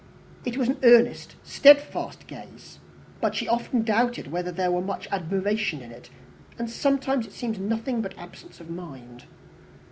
It was an earnest, steadfast gaze, but she often doubted whether there were much admiration in it, and sometimes it seemed nothing but absence of mind.